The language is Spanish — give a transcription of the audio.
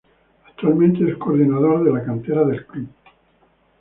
Actualmente es coordinador de la cantera del club.